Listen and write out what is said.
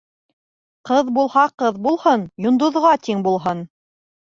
Ҡыҙ булһа, ҡыҙ булһын, йондоҙға тиң булһын.